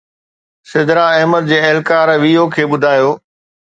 سدرا احمد، جي اهلڪار VO کي ٻڌايو